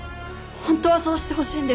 本当はそうしてほしいんです。